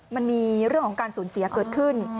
มันมีเรื่องของการสูญเสียเกิดขึ้น